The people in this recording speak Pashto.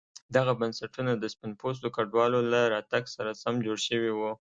دغه بنسټونه د سپین پوستو کډوالو له راتګ سره سم جوړ شوي وو.